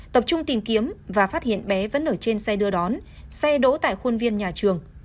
tập trung tìm kiếm và phát hiện bé vẫn ở trên xe đưa đón xe đỗ tại khuôn viên nhà trường